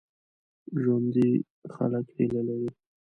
ژوندي خلک هیله لري